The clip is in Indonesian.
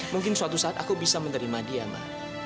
mungkin suatu saat aku bisa menerima dia mbak